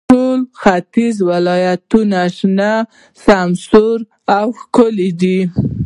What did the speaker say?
ټول ختیځ ولایتونو شنه، سمسور او ښکلي دي.